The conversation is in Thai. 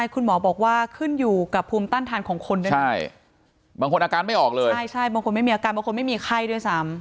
คุณหมอบอกว่าขึ้นอยู่กับภูมิต้านทานของคนด้วยนะบางคนอาการไม่ออกเลยใช่บางคนไม่มีอาการบางคนไม่มีไข้ด้วยซ้ำ